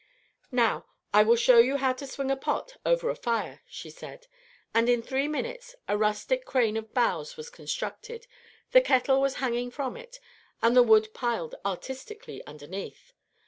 "Now I will show you how to swing a pot over the fire," she said; and in three minutes a rustic crane of boughs was constructed, the kettle was hanging from it, and the wood piled artistically underneath.